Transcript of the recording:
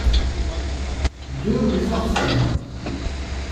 deux rue Forfert